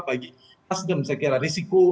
bagi nasdem saya kira risiko